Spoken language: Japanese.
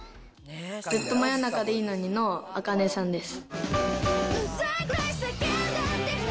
ずっと真夜中でいいのに。のあかねさんです。